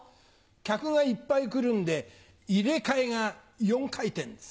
客がいっぱい来るんで入れ替えが４回転です。